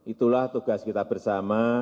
itulah tugas kita bersama